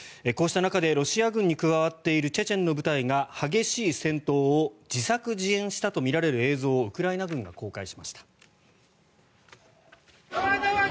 こうした中でロシア軍に加わっているチェチェンの部隊が激しい戦闘を自作自演したとみられる映像をウクライナ軍が公開しました。